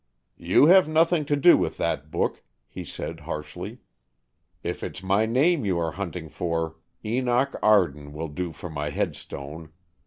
"You have nothing to do with that book," he said harshly. "If it's my name you are hunting for, Enoch Arden will do for my headstone.